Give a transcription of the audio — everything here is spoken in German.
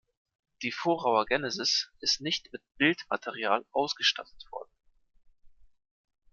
Die Vorauer Genesis ist nicht mit Bildmaterial ausgestattet worden.